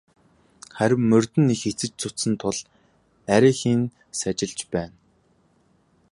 Харин морьд нь их эцэж цуцсан тул арайхийн сажилж байна.